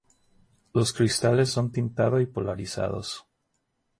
Los cristales son tintado y polarizados.